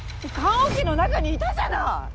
棺桶の中にいたじゃない！